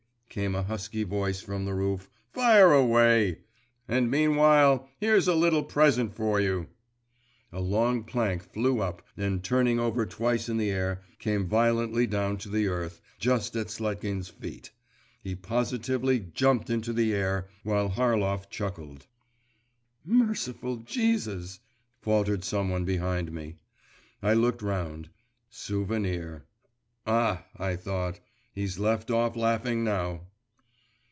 came a husky voice from the roof. 'Fire away! And meanwhile here's a little present for you!' A long plank flew up, and, turning over twice in the air, came violently to the earth, just at Sletkin's feet. He positively jumped into the air, while Harlov chuckled. 'Merciful Jesus!' faltered some one behind me. I looked round: Souvenir. 'Ah!' I thought, 'he's left off laughing now!